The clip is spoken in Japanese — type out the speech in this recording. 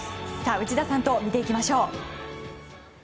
内田さんと見ていきましょう。